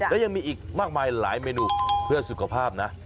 และยังมีอีกมากมายหลายเมนูเพื่อสุขภาพนะ